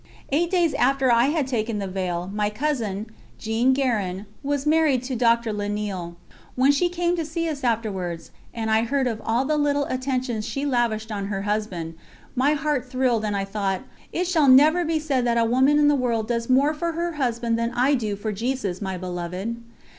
Eight days after I had taken the veil my cousin, Jeanne Guérin, was married to Dr. La Néele. When she came to see us afterwards and I heard of all the little attentions she lavished on her husband, my heart thrilled and I thought: "It shall never be said that a woman in the world does more for her husband than I do for Jesus, my Beloved."